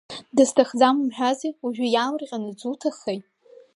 Дысҭахӡам умҳәази, уажәы иаалырҟьаны дзуҭаххеи?